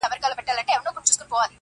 هر ګستاخ چي په ګستاخ نظر در ګوري.